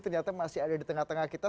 ternyata masih ada di tengah tengah kita